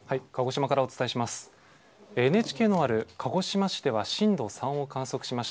鹿児島からお伝えします。